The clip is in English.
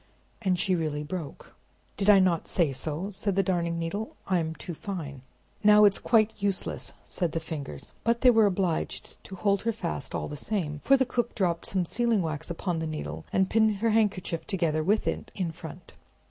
And she really broke. "Did I not say so?" said the Darning Needle; "I'm too fine!" "Now it's quite useless," said the Fingers; but they were obliged to hold her fast, all the same; for the cook dropped some sealing wax upon the needle, and pinned her handkerchief together with it in front.